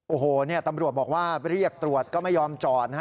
โอ้โหตำรวจบอกว่าเรียกตรวจก็ไม่ยอมจอดนะฮะ